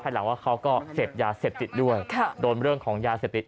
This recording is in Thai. หลังว่าเขาก็เสพยาเสพติดด้วยโดนเรื่องของยาเสพติด